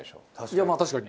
いやまあ確かに。